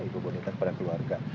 bu bonita kepada keluarga